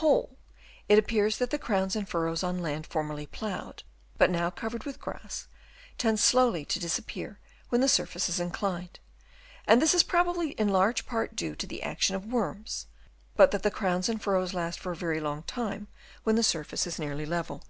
whole it appears that the crowns and fur rows on land formerly ploughed, but now covered with grass, tend slowly to disappear when the surface is inclined ; and this is pro bably in large part due to the action of worms ; but that the crowns and furrows last for a very long time when the surface is nearly level.